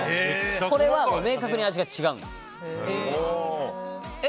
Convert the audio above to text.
これが明確に味が違うんです。